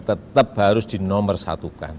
tetap harus dinomersatukan